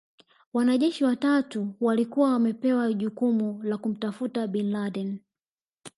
Wanajeshi watatu walikuwa wamepewa jukumu la kumtafuta Bin Laden